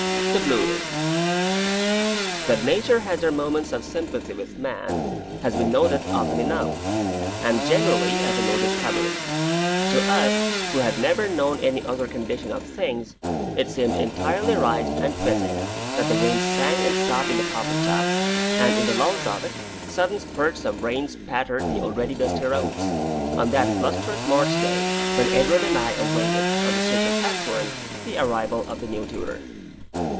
THE BLUE ROOM That nature has her moments of sympathy with man has been noted often enough, and generally as a new discovery; to us, who had never known any other condition of things, it seemed entirely right and fitting that the wind sang and sobbed in the poplar tops, and in the lulls of it, sudden spirts of rain spattered the already dusty roads, on that blusterous March day when Edward and I awaited, on the station platform, the arrival of the new tutor.